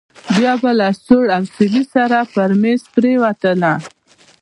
بيا به له سوړ اسويلي سره په مېز پرېوتله.